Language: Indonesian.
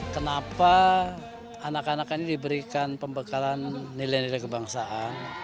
kenapa anak anak ini diberikan pembekalan nilai nilai kebangsaan